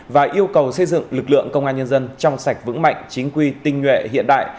và yêu cầu xây dựng lực lượng công an nhân dân trong sạch vững mạnh chính quy tinh nhuệ hiện đại